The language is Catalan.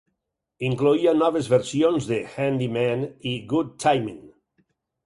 Incloïa noves versiones de "Handy Man" i "Good Timin'".